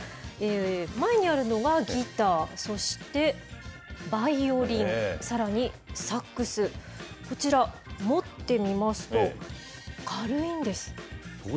前にあるのがギター、そしてバイオリン、さらにサックス、こちら、持ってみますと軽いんです。